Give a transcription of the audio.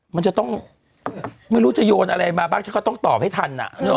มันจะต้องไม่รู้จะโยนอะไรมาบ้างฉันก็ต้องตอบให้ทัน